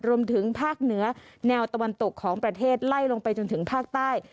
รวมถึงภาคเหนือแนวตะวันตกของประเทศไล่ลงไปจนถึงภาคใต้